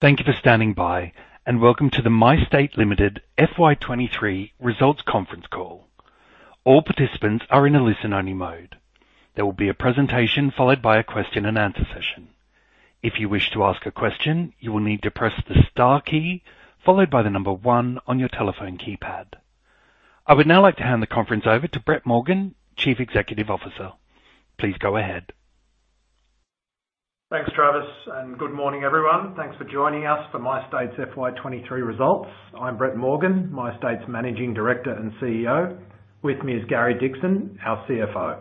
Thank you for standing by, welcome to the MyState Limited FY 2023 results conference call. All participants are in a listen-only mode. There will be a presentation followed by a question and answer session. If you wish to ask a question, you will need to press the star key followed by the one on your telephone keypad. I would now like to hand the conference over to Brett Morgan, Chief Executive Officer. Please go ahead. Thanks, Travis. Good morning, everyone. Thanks for joining us for MyState's FY 2023 results. I'm Brett Morgan, MyState's Managing Director and CEO. With me is Gary Dickson, our CFO.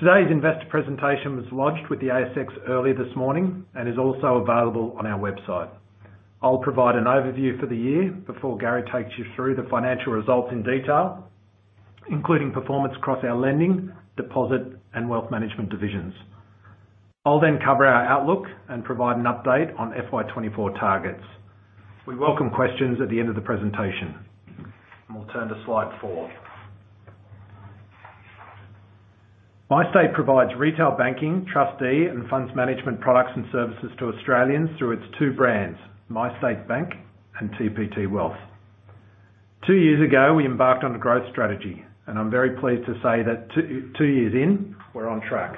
Today's investor presentation was lodged with the ASX earlier this morning and is also available on our website. I'll provide an overview for the year before Gary takes you through the financial results in detail, including performance across our lending, deposit, and wealth management divisions. I'll cover our outlook and provide an update on FY 2024 targets. We welcome questions at the end of the presentation. We'll turn to slide four. MyState provides retail banking, trustee, and funds management products and services to Australians through its two brands, MyState Bank and TPT Wealth. Two years ago, we embarked on a growth strategy. I'm very pleased to say that two years in, we're on track.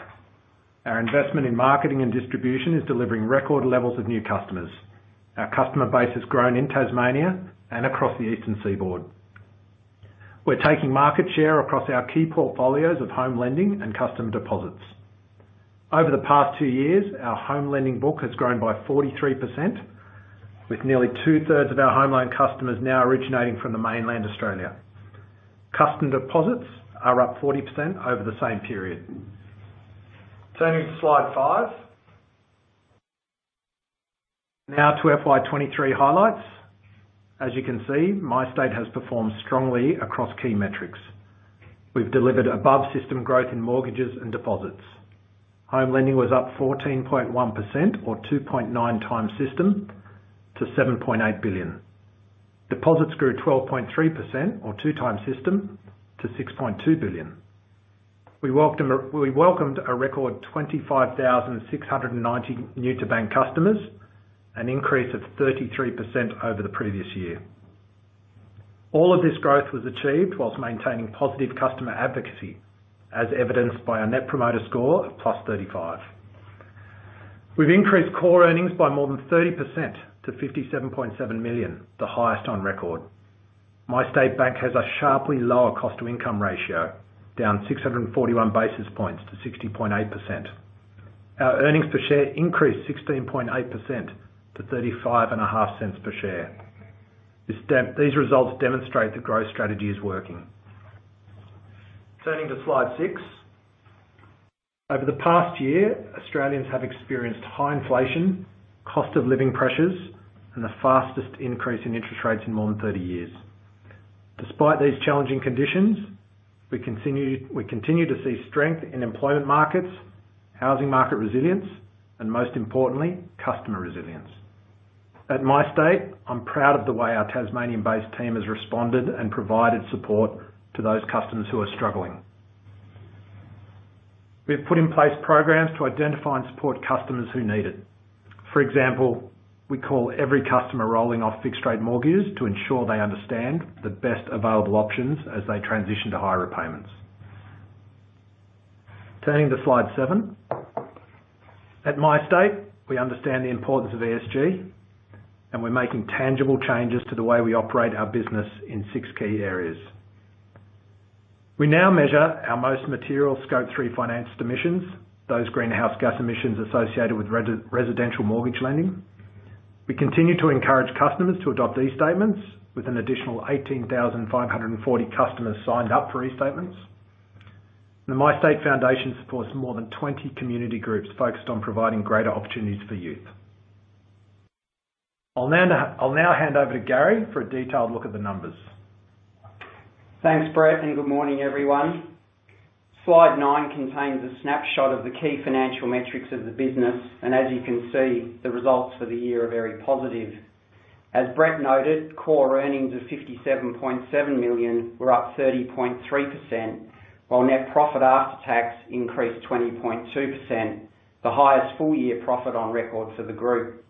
Our investment in marketing and distribution is delivering record levels of new customers. Our customer base has grown in Tasmania and across the eastern seaboard. We're taking market share across our key portfolios of home lending and customer deposits. Over the past two years, our home lending book has grown by 43%, with nearly two-thirds of our home loan customers now originating from the mainland Australia. Customer deposits are up 40% over the same period. Turning to slide five. To FY 2023 highlights. As you can see, MyState has performed strongly across key metrics. We've delivered above-system growth in mortgages and deposits. Home lending was up 14.1% or 2.9 times system to 7.8 billion. Deposits grew 12.3% or two times system to 6.2 billion. We welcomed a record 25,690 new-to-bank customers, an increase of 33% over the previous year. All of this growth was achieved whilst maintaining positive customer advocacy, as evidenced by our Net Promoter Score of +35. We've increased core earnings by more than 30% to 57.7 million, the highest on record. MyState Bank has a sharply lower cost-to-income ratio, down 641 basis points to 60.8%. Our earnings per share increased 16.8% to 0.355 per share. These results demonstrate the growth strategy is working. Turning to Slide six. Over the past year, Australians have experienced high inflation, cost of living pressures, and the fastest increase in interest rates in more than 30 years. Despite these challenging conditions, we continue, we continue to see strength in employment markets, housing market resilience, and most importantly, customer resilience. At MyState, I'm proud of the way our Tasmanian-based team has responded and provided support to those customers who are struggling. We've put in place programs to identify and support customers who need it. For example, we call every customer rolling off fixed rate mortgages to ensure they understand the best available options as they transition to higher repayments. Turning to slide seven. At MyState, we understand the importance of ESG. We're making tangible changes to the way we operate our business in six key areas. We now measure our most material Scope 3 financed emissions, those greenhouse gas emissions associated with resid- residential mortgage lending. We continue to encourage customers to adopt eStatements, with an additional 18,540 customers signed up for eStatements. The MyState Foundation supports more than 20 community groups focused on providing greater opportunities for youth. I'll now hand over to Gary for a detailed look at the numbers. Thanks, Brett. Good morning, everyone. Slide nine contains a snapshot of the key financial metrics of the business. As you can see, the results for the year are very positive. As Brett noted, core earnings of 57.7 million were up 30.3%, while net profit after tax increased 20.2%, the highest full-year profit on record for the group.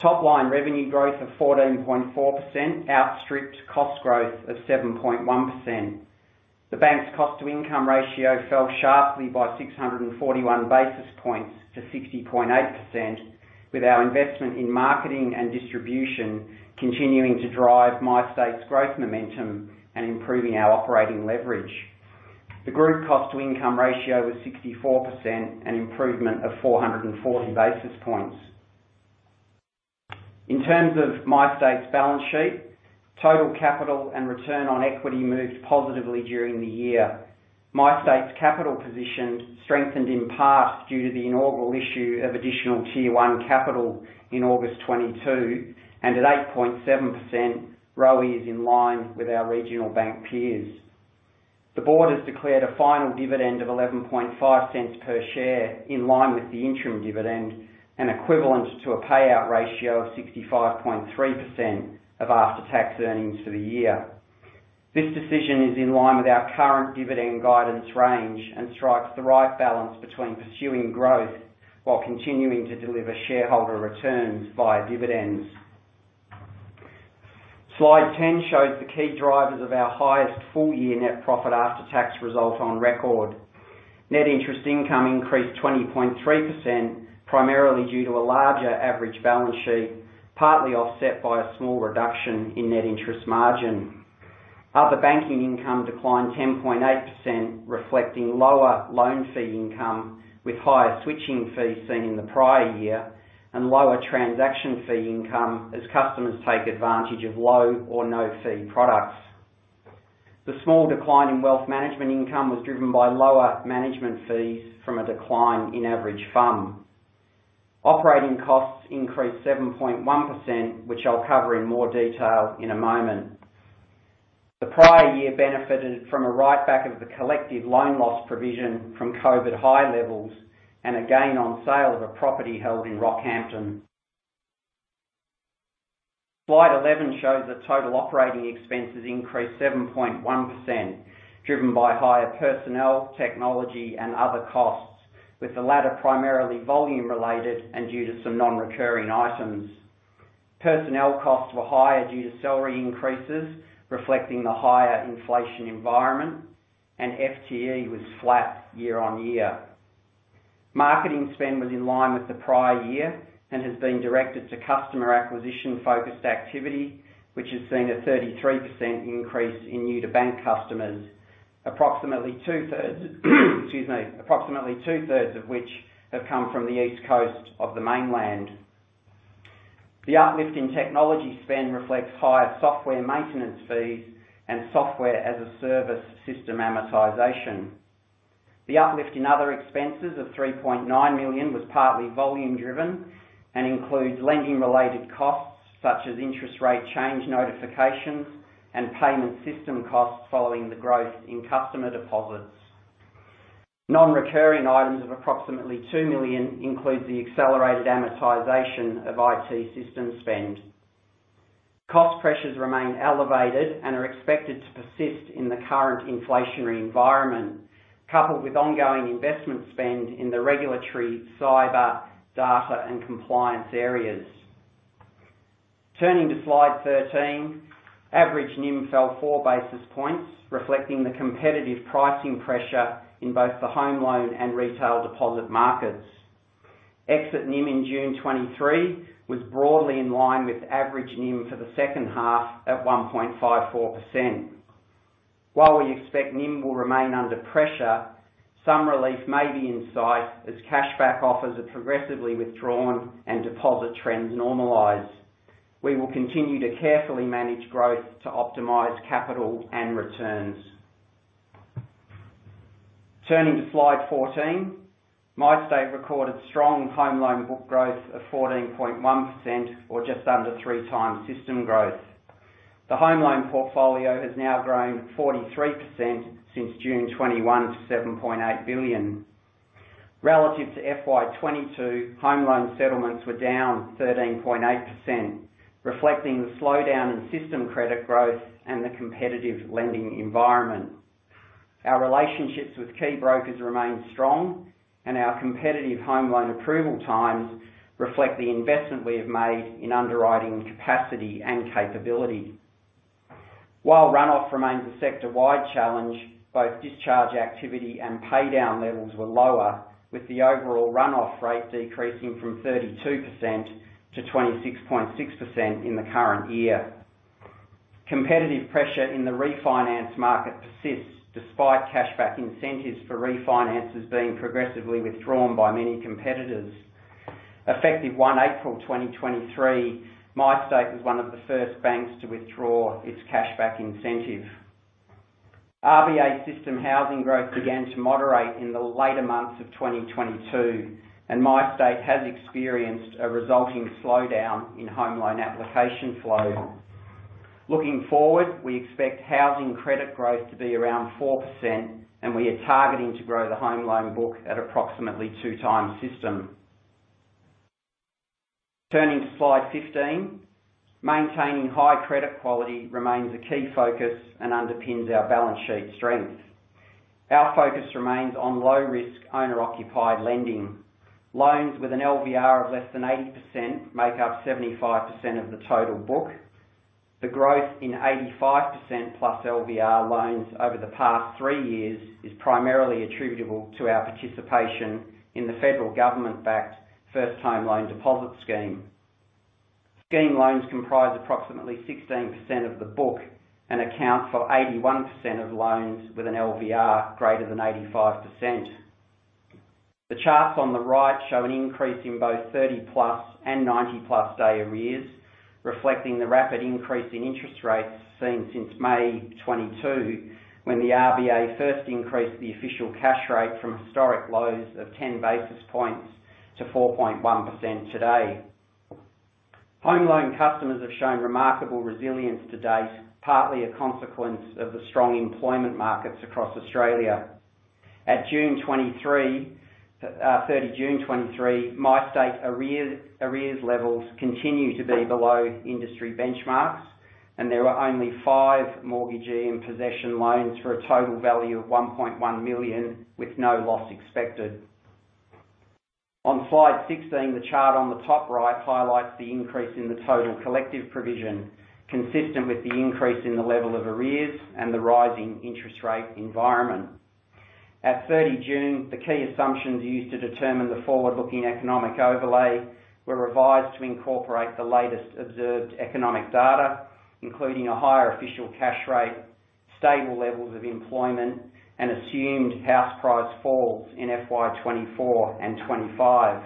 Top line revenue growth of 14.4% outstripped cost growth of 7.1%. The bank's cost-to-income ratio fell sharply by 641 basis points to 60.8%, with our investment in marketing and distribution continuing to drive MyState's growth momentum and improving our operating leverage. The group's cost-to-income ratio was 64%, an improvement of 440 basis points. In terms of MyState's balance sheet, total capital and return on equity moved positively during the year. MyState's capital position strengthened in part due to the inaugural issue of additional Tier 1 capital in August 2022, and at 8.7%, ROE is in line with our regional bank peers. The board has declared a final dividend of 0.115 per share, in line with the interim dividend and equivalent to a payout ratio of 65.3% of after-tax earnings for the year. This decision is in line with our current dividend guidance range and strikes the right balance between pursuing growth while continuing to deliver shareholder returns via dividends. Slide 10 shows the key drivers of our highest full year net profit after tax result on record. Net interest income increased 20.3%, primarily due to a larger average balance sheet, partly offset by a small reduction in net interest margin. Other banking income declined 10.8%, reflecting lower loan fee income, with higher switching fees seen in the prior year, and lower transaction fee income as customers take advantage of low or no-fee products. The small decline in wealth management income was driven by lower management fees from a decline in average funds. Operating costs increased 7.1%, which I'll cover in more detail in a moment. The prior year benefited from a write back of the collective loan loss provision from COVID high levels and a gain on sale of a property held in Rockhampton. Slide eleven shows that total operating expenses increased 7.1%, driven by higher personnel, technology, and other costs, with the latter primarily volume related and due to some non-recurring items. Personnel costs were higher due to salary increases, reflecting the higher inflation environment, and FTE was flat year-on-year. Marketing spend was in line with the prior year and has been directed to customer acquisition-focused activity, which has seen a 33% increase in new-to-bank customers. Approximately two-thirds, excuse me, approximately two-thirds of which have come from the east coast of the mainland. The uplift in technology spend reflects higher software maintenance fees and Software as a Service system amortization. The uplift in other expenses of 3.9 million was partly volume driven and includes lending-related costs, such as interest rate change notifications and payment system costs following the growth in customer deposits. Non-recurring items of approximately 2 million includes the accelerated amortization of IT system spend. Cost pressures remain elevated and are expected to persist in the current inflationary environment, coupled with ongoing investment spend in the regulatory, cyber, data, and compliance areas. Turning to slide 13, average NIM fell 4 basis points, reflecting the competitive pricing pressure in both the home loan and retail deposit markets. Exit NIM in June 2023 was broadly in line with average NIM for the second half, at 1.54%. While we expect NIM will remain under pressure, some relief may be in sight as cashback offers are progressively withdrawn and deposit trends normalize. We will continue to carefully manage growth to optimize capital and returns. Turning to slide 14, MyState recorded strong home loan book growth of 14.1% or just under 3 times system growth. The home loan portfolio has now grown 43% since June 2021 to 7.8 billion. Relative to FY 2022, home loan settlements were down 13.8%, reflecting the slowdown in system credit growth and the competitive lending environment. Our relationships with key brokers remain strong, and our competitive home loan approval times reflect the investment we have made in underwriting capacity and capability. While runoff remains a sector-wide challenge, both discharge activity and paydown levels were lower, with the overall runoff rate decreasing from 32% to 26.6% in the current year. Competitive pressure in the refinance market persists, despite cashback incentives for refinances being progressively withdrawn by many competitors. Effective April 1, 2023, MyState was one of the first banks to withdraw its cashback incentive. RBA system housing growth began to moderate in the later months of 2022, and MyState has experienced a resulting slowdown in home loan application flow. Looking forward, we expect housing credit growth to be around 4%, and we are targeting to grow the home loan book at approximately two times system. Turning to slide 15, maintaining high credit quality remains a key focus and underpins our balance sheet strength. Our focus remains on low-risk, owner-occupied lending. Loans with an LVR of less than 80% make up 75% of the total book. The growth in 85% plus LVR loans over the past three years is primarily attributable to our participation in the federal government-backed First Home Loan Deposit Scheme. Scheme loans comprise approximately 16% of the book and account for 81% of loans with an LVR greater than 85%. The charts on the right show an increase in both 30-plus and 90-plus day arrears, reflecting the rapid increase in interest rates seen since May 2022, when the RBA first increased the official cash rate from historic lows of 10 basis points to 4.1% today. Home loan customers have shown remarkable resilience to date, partly a consequence of the strong employment markets across Australia. At June 2023, 30 June 2023, MyState arrears, arrears levels continue to be below industry benchmarks, and there are only five mortgagee in possession loans for a total value of 1.1 million, with no loss expected. On Slide 16, the chart on the top right highlights the increase in the total collective provision, consistent with the increase in the level of arrears and the rising interest rate environment. At 30 June, the key assumptions used to determine the forward-looking economic overlay were revised to incorporate the latest observed economic data, including a higher official cash rate, stable levels of employment, and assumed house price falls in FY 2024 and 2025.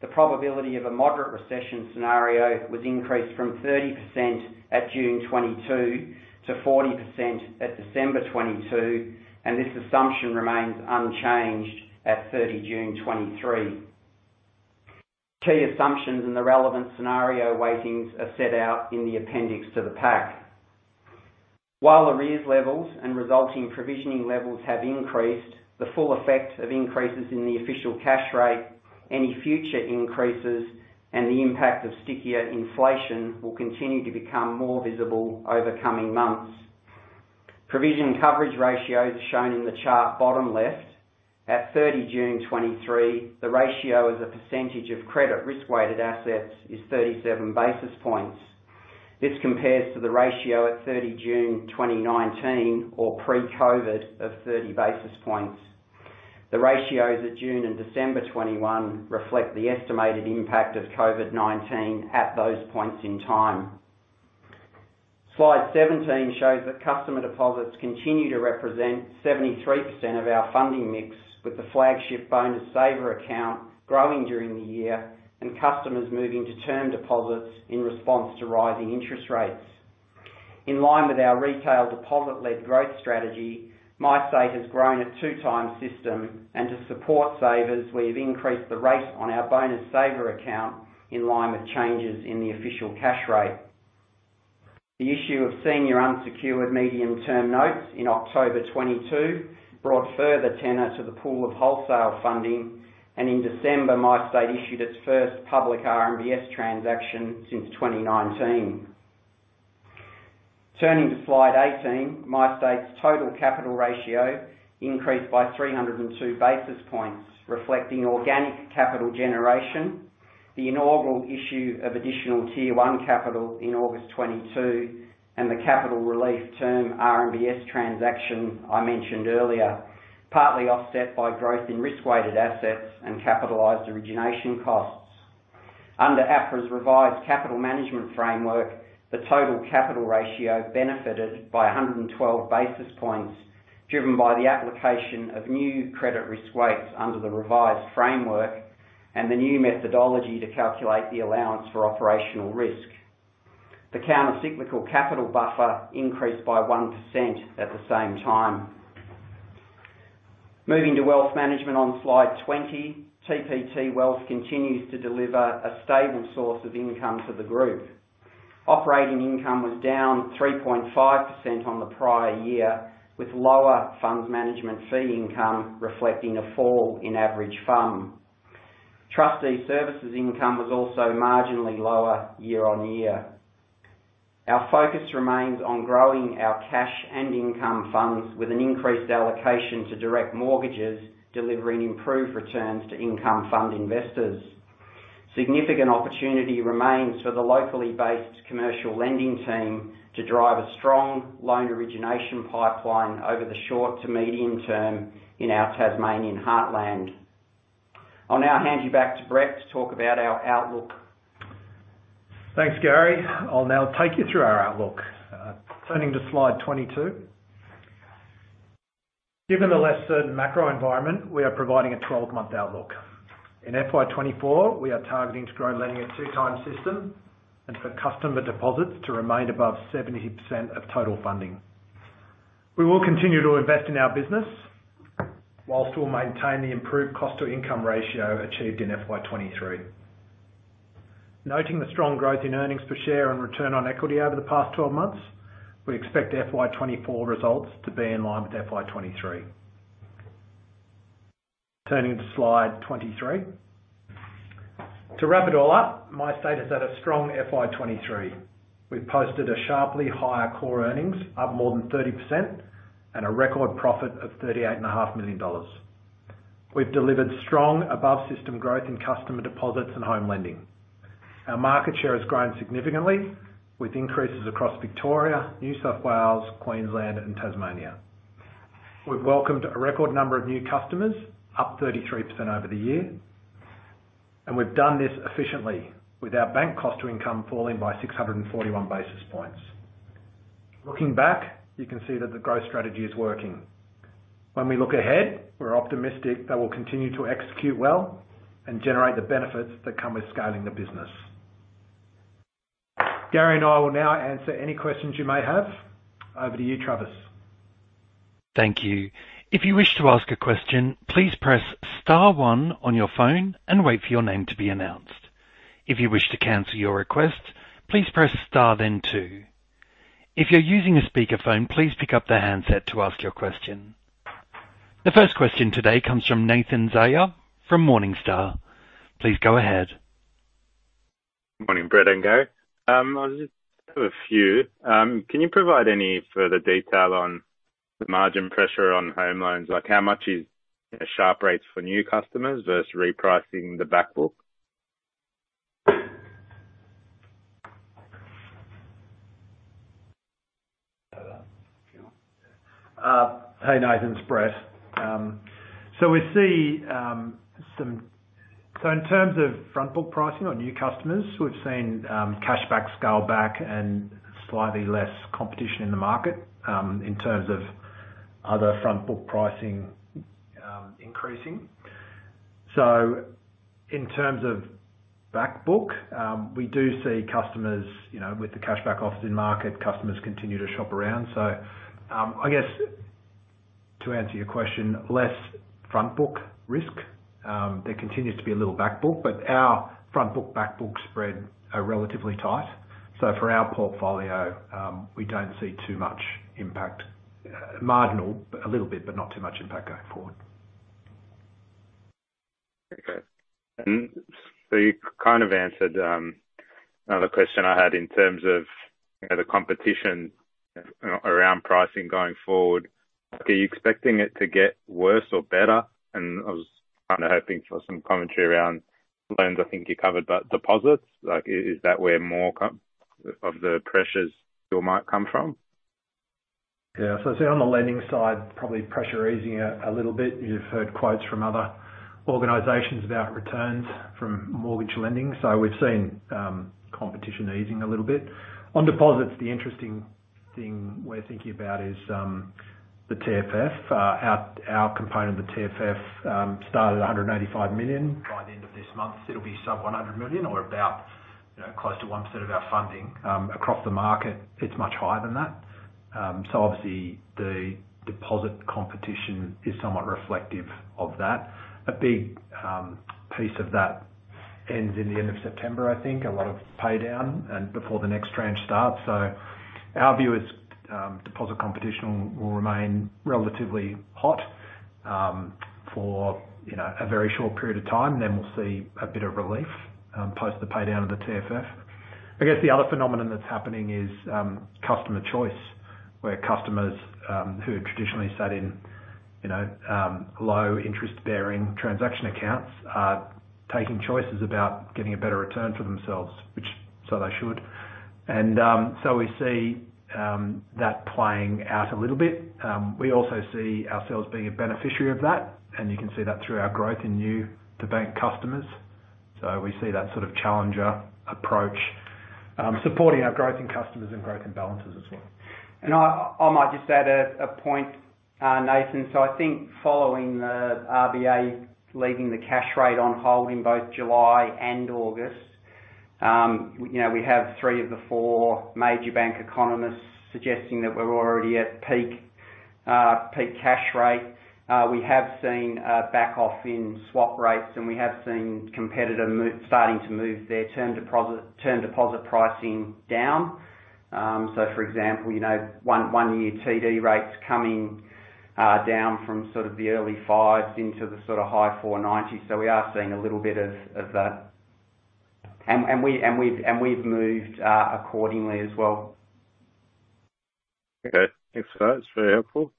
The probability of a moderate recession scenario was increased from 30% at June 2022 to 40% at December 2022, and this assumption remains unchanged at 30 June 2023. Key assumptions and the relevant scenario weightings are set out in the appendix to the Pack. While arrears levels and resulting provisioning levels have increased, the full effect of increases in the official cash rate, any future increases, and the impact of stickier inflation will continue to become more visible over coming months. Provision coverage ratios are shown in the chart, bottom left. At 30 June 2023, the ratio as a % of credit risk-weighted assets is 37 basis points. This compares to the ratio at 30 June 2019, or pre-COVID, of 30 basis points. The ratios at June and December 2021 reflect the estimated impact of COVID-19 at those points in time. Slide 17 shows that customer deposits continue to represent 73% of our funding mix, with the flagship Bonus Saver account growing during the year and customers moving to term deposits in response to rising interest rates. In line with our retail deposit-led growth strategy, MyState has grown at two times system, and to support savers, we have increased the rate on our Bonus Saver account in line with changes in the official cash rate. The issue of senior unsecured medium-term notes in October 2022 brought further tenor to the pool of wholesale funding, and in December, MyState issued its first public RMBS transaction since 2019. Turning to Slide 18, MyState's total capital ratio increased by 302 basis points, reflecting organic capital generation, the inaugural issue of additional Tier 1 capital in August 2022, and the capital relief term RMBS transaction I mentioned earlier, partly offset by growth in risk-weighted assets and capitalized origination costs. Under APRA's revised capital management framework, the total capital ratio benefited by 112 basis points, driven by the application of new credit risk weights under the revised framework and the new methodology to calculate the allowance for operational risk. The countercyclical capital buffer increased by 1% at the same time. Moving to Wealth Management on Slide 20, TPT Wealth continues to deliver a stable source of income to the group. Operating income was down 3.5% on the prior year, with lower funds management fee income reflecting a fall in average FUM. Trustee services income was also marginally lower year-on-year. Our focus remains on growing our cash and income funds with an increased allocation to direct mortgages, delivering improved returns to income fund investors. Significant opportunity remains for the locally based commercial lending team to drive a strong loan origination pipeline over the short to medium term in our Tasmanian heartland. I'll now hand you back to Brett to talk about our outlook. Thanks, Gary. I'll now take you through our outlook. Turning to Slide 22. Given the less certain macro environment, we are providing a 12-month outlook. In FY 2024, we are targeting to grow lending at two times system, and for customer deposits to remain above 70% of total funding. We will continue to invest in our business, while still maintain the improved cost-to-income ratio achieved in FY 2023. Noting the strong growth in earnings per share and return on equity over the past 12 months, we expect FY 2024 results to be in line with FY 2023. Turning to Slide 23. To wrap it all up, MyState has had a strong FY 2023. We've posted a sharply higher core earnings, up more than 30%, and a record profit of 38.5 million dollars. We've delivered strong above system growth in customer deposits and home lending. Our market share has grown significantly, with increases across Victoria, New South Wales, Queensland, and Tasmania. We've welcomed a record number of new customers, up 33% over the year, and we've done this efficiently with our bank cost-to-income falling by 641 basis points. Looking back, you can see that the growth strategy is working. We look ahead, we're optimistic that we'll continue to execute well and generate the benefits that come with scaling the business. Gary and I will now answer any questions you may have. Over to you, Travis. Thank you. If you wish to ask a question, please press star one on your phone and wait for your name to be announced. If you wish to cancel your request, please press star, then two. If you're using a speakerphone, please pick up the handset to ask your question. The first question today comes from Nathan Zaia from Morningstar. Please go ahead. Morning, Brett and Gary. I just have a few. Can you provide any further detail on the margin pressure on home loans? Like, how much is swap rates for new customers versus repricing the back book? Hi, Nathan, it's Brett. We see, so in terms of front book pricing on new customers, we've seen cashback scale back and slightly less competition in the market, in terms of other front book pricing, increasing. In terms of back book, we do see customers, you know, with the cashback offers in market, customers continue to shop around. I guess to answer your question, less front book risk. There continues to be a little back book, but our front book, back book spread are relatively tight. For our portfolio, we don't see too much impact, marginal, but a little bit, but not too much impact going forward. Okay. So you kind of answered another question I had in terms of, you know, the competition around pricing going forward. Are you expecting it to get worse or better? I was kind of hoping for some commentary around loans. I think you covered, but deposits, like, is that where more of the pressures still might come from? Yeah. I see on the lending side, probably pressure easing out a little bit. You've heard quotes from other organizations about returns from mortgage lending, so we've seen competition easing a little bit. On deposits, the interesting thing we're thinking about is the TFF. Our, our component of the TFF started at 185 million. By the end of this month, it'll be sub 100 million or about, you know, close to 1% of our funding. Across the market, it's much higher than that. So obviously the deposit competition is somewhat reflective of that. A big piece of that ends in the end of September, I think. A lot of pay down and before the next tranche starts. Our view is, deposit competition will, will remain relatively hot, for, you know, a very short period of time, then we'll see a bit of relief, post the pay down of the TFF. I guess the other phenomenon that's happening is, customer choice, where customers, who had traditionally sat in, you know, low interest bearing transaction accounts, are taking choices about getting a better return for themselves, which... so they should. We see that playing out a little bit. We also see ourselves being a beneficiary of that, and you can see that through our growth in new-to-bank customers. We see that sort of challenger approach, supporting our growth in customers and growth in balances as well. I, I might just add a point, Nathan. I think following the RBA, leaving the cash rate on hold in both July and August, you know, we have three of the four major bank economists suggesting that we're already at peak, peak cash rate. We have seen a back off in swap rates, and we have seen competitor starting to move their term deposit, term deposit pricing down. For example, you know, one, year TD rates coming down from sort of the early 5s into the sort of high 4.90. We are seeing a little bit of that. We've moved accordingly as well. Okay, thanks for that. It's very helpful.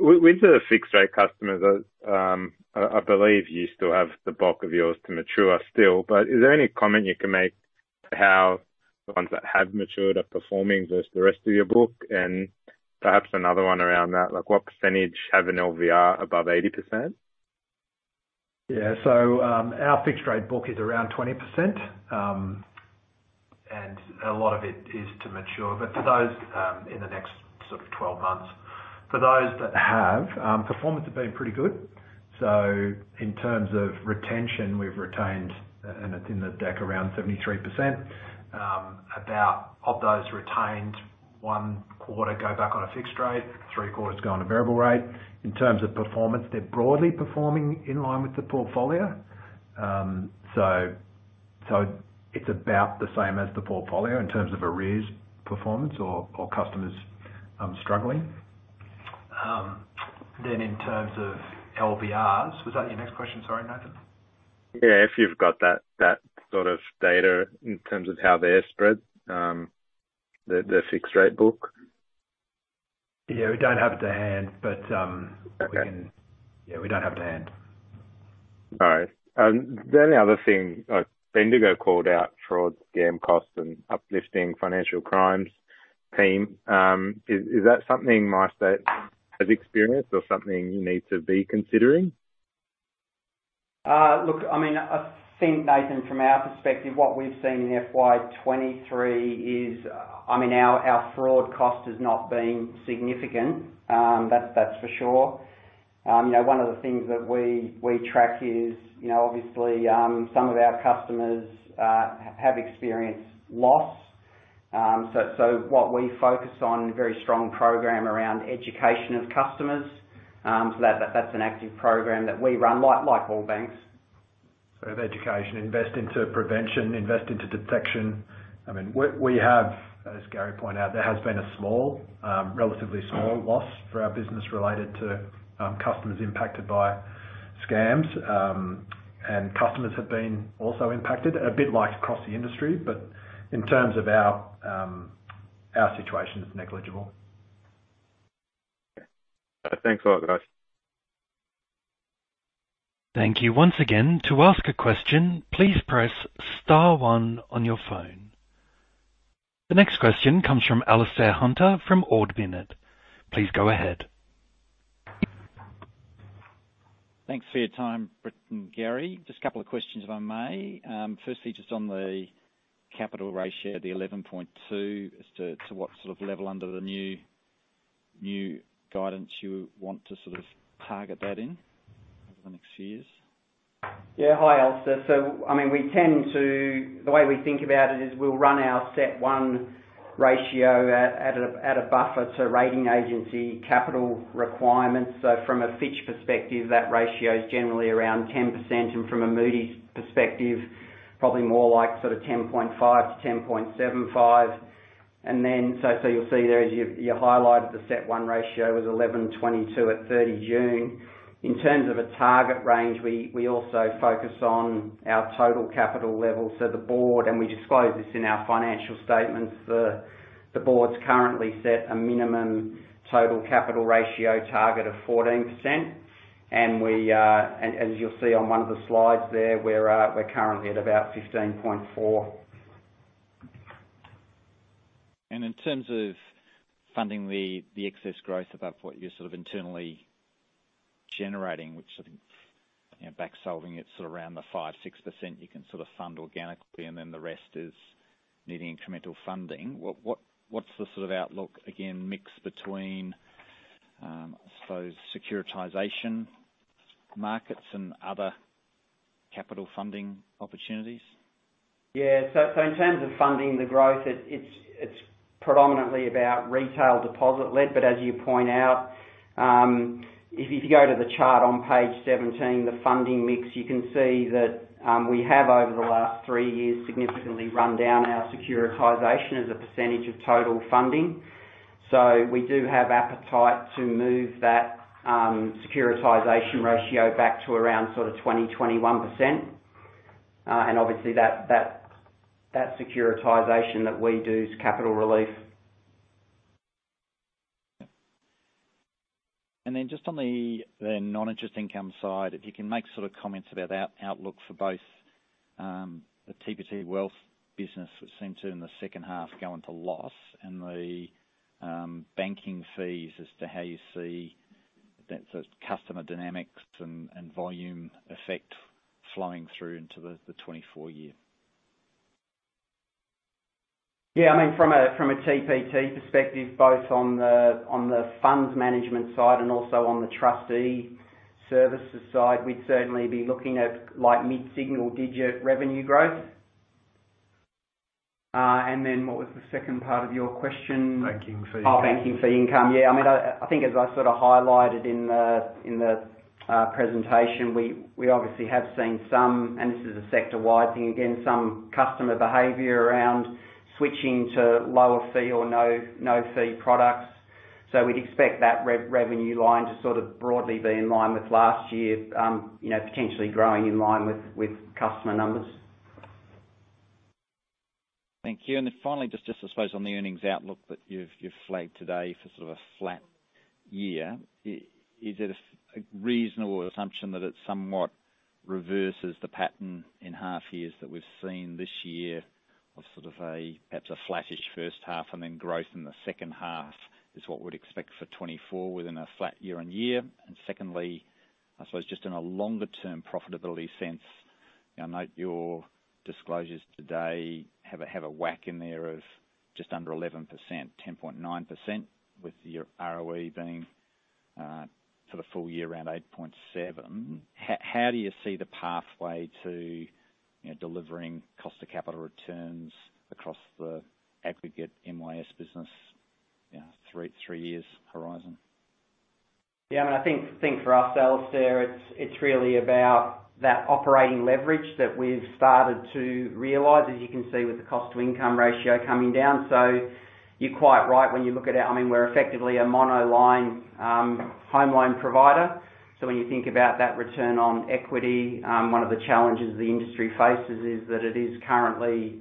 With the fixed rate customers, I believe you still have the bulk of yours to mature still, but is there any comment you can make how the ones that have matured are performing versus the rest of your book? Perhaps another one around that, like what percentage have an LVR above 80%? Yeah. Our fixed rate book is around 20%. A lot of it is to mature, but for those in the next sort of 12 months. For those that have, performance have been pretty good. In terms of retention, we've retained, and it's in the deck, around 73%. About, of those retained, one-quarter go back on a fixed rate, three-quarters go on a variable rate. In terms of performance, they're broadly performing in line with the portfolio. It's about the same as the portfolio in terms of arrears performance or, or customers struggling. In terms of LVRs, was that your next question? Sorry, Nathan. Yeah. If you've got that, that sort of data in terms of how they're spread, the, the fixed rate book. Yeah, we don't have it to hand, but. Okay. Yeah, we don't have it to hand. All right. The only other thing, Bendigo called out fraud, scam costs and uplifting financial crimes team. Is, is that something Westpac has experienced or something you need to be considering? Look, I mean, I think, Nathan, from our perspective, what we've seen in FY 2023 is, I mean, our, our fraud cost has not been significant, that's, that's for sure. You know, one of the things that we, we track is, you know, obviously, some of our customers have experienced loss. What we focus on a very strong program around education of customers, so that, that's an active program that we run, like, like all banks. ... sort of education, invest into prevention, invest into detection. I mean, we, we have, as Gary Dickson pointed out, there has been a small, relatively small loss for our business related to, customers impacted by scams. Customers have been also impacted, a bit like across the industry, but in terms of our, our situation, it's negligible. Thanks a lot, guys. Thank you once again. To ask a question, please press Star One on your phone. The next question comes from Alastair Hunter from Ord Minnett. Please go ahead. Thanks for your time, Brett and Gary. Just a couple of questions, if I may. Firstly, just on the capital ratio, the 11.2%, as to, to what sort of level under the new guidance you want to sort of target that in over the next years? Yeah. Hi, Alastair. I mean, we tend to... The way we think about it is we'll run our CET1 ratio at a buffer to rating agency capital requirements. From a Fitch perspective, that ratio is generally around 10%, and from a Moody's perspective, probably more like 10.5-10.75%. You'll see there, as you highlighted, the CET1 ratio was 11.22% at 30 June. In terms of a target range, we also focus on our total capital level. The board, and we disclose this in our financial statements, the board's currently set a minimum total capital ratio target of 14%. As you'll see on one of the slides there, we're currently at about 15.4%. In terms of funding the, the excess growth above what you're sort of internally generating, which I think, you know, back-solving, it's sort of around the 5%-6% you can sort of fund organically, and then the rest is needing incremental funding. What, what, what's the sort of outlook, again, mix between, I suppose, securitization markets and other capital funding opportunities? Yeah. In terms of funding the growth, it's, it's predominantly about retail deposit-led. As you point out, if you go to the chart on page 17, the funding mix, you can see that we have, over the last three years, significantly run down our securitization as a percentage of total funding. We do have appetite to move that securitization ratio back to around sort of 20%-21%. Obviously, that securitization that we do is capital relief. Just on the non-interest income side, if you can make sort of comments about outlook for both, the TPT Wealth business that seemed to, in the second half, go into loss and the banking fees as to how you see that, the customer dynamics and volume effect flowing through into the 2024 year. Yeah, I mean, from a TPT perspective, both on the funds management side and also on the trustee services side, we'd certainly be looking at, like, mid-single-digit revenue growth. What was the second part of your question? Banking fees. Oh, banking fee income. Yeah, I mean, I, I think as I sort of highlighted in the, in the presentation, we, we obviously have seen some, and this is a sector-wide thing, again, some customer behavior around switching to lower fee or no, no fee products. We'd expect that rev-revenue line to sort of broadly be in line with last year, you know, potentially growing in line with, with customer numbers. Thank you. Then finally, just I suppose on the earnings outlook that you've flagged today for sort of a flat year, is it a reasonable assumption that it somewhat reverses the pattern in half years that we've seen this year of sort of a, perhaps a flattish first half, and then growth in the second half is what we'd expect for 2024 within a flat year-on-year? Secondly, I suppose just in a longer term profitability sense, I note your disclosures today have a, have a whack in there of just under 11%, 10.9%, with your ROE being sort of full year around 8.7%. How do you see the pathway to, you know, delivering cost of capital returns across the aggregate MyState business, you know, three years horizon? Yeah, I mean, I think, think for us, Alastair, it's, it's really about that operating leverage that we've started to realize, as you can see, with the cost-to-income ratio coming down. You're quite right, when you look at it, I mean, we're effectively a monoline home loan provider. When you think about that return on equity, one of the challenges the industry faces is that it is currently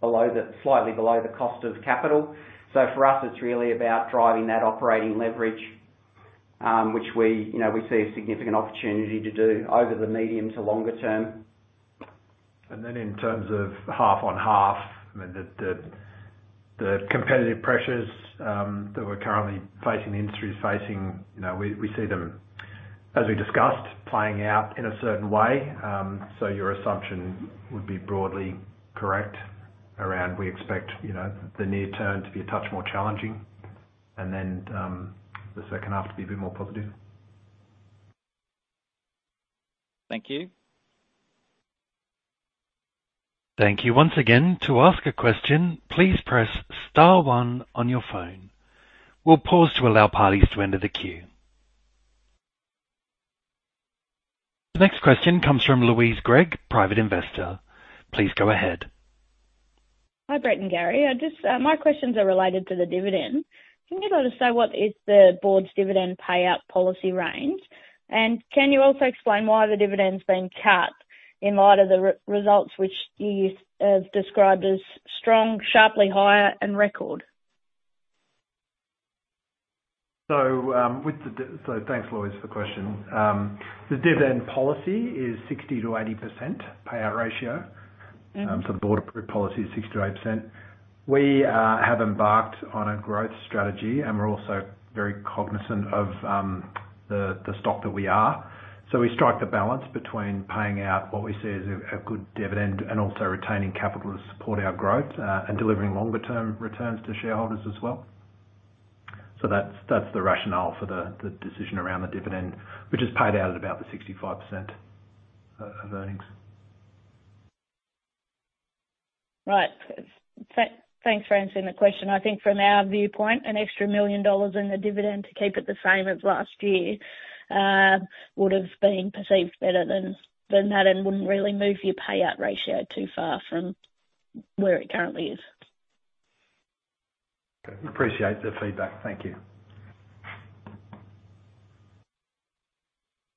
below the slightly below the cost of capital. For us, it's really about driving that operating leverage, which we, you know, we see a significant opportunity to do over the medium to longer term. Then in terms of half on half, I mean, the, the, the competitive pressures that we're currently facing, the industry is facing, you know, we, we see them, as we discussed, playing out in a certain way. So your assumption would be broadly correct around we expect, you know, the near term to be a touch more challenging and then the second half to be a bit more positive. Thank you. Thank you once again. To ask a question, please press star one on your phone. We'll pause to allow parties to enter the queue. The next question comes from Louise Gregg, private investor. Please go ahead. Hi, Brett and Gary. I just... My questions are related to the dividend. Can you be able to say what is the board's dividend payout policy range? Can you also explain why the dividend's been cut in light of the results which you have described as strong, sharply higher, and record? Thanks, Louise, for the question. The dividend policy is 60% to 80% payout ratio. Mm-hmm. The board approved policy is 60%-80%. We have embarked on a growth strategy, and we're also very cognizant of the stock that we are. We strike the balance between paying out what we see as a good dividend and also retaining capital to support our growth and delivering longer term returns to shareholders as well. That's, that's the rationale for the decision around the dividend, which is paid out at about the 65% of earnings. Right. thanks for answering the question. I think from our viewpoint, an extra 1 million dollars in the dividend to keep it the same as last year, would've been perceived better than, than that, and wouldn't really move your payout ratio too far from where it currently is. Appreciate the feedback. Thank you.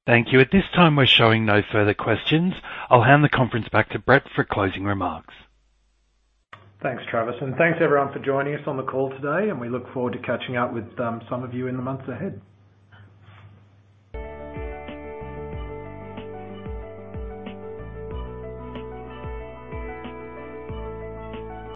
Thank you. At this time, we're showing no further questions. I'll hand the conference back to Brett for closing remarks. Thanks, Travis, and thanks everyone for joining us on the call today, and we look forward to catching up with, some of you in the months ahead.